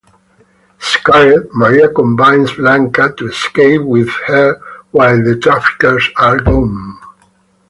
Scared, Maria convinces Blanca to escape with her while the traffickers are gone.